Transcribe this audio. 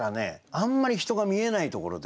あんまり人が見えないところで。